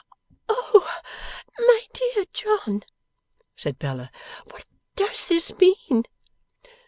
'O my dear John!' said Bella. 'What does this mean?